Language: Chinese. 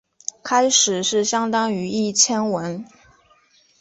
开始是相当于一千文。